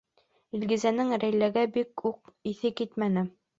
Илгизәнең Рәйләгә бик үк иҫе китмәне.